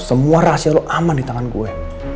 semua rahasia lo aman di tangan gue